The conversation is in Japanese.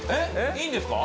いいんですか？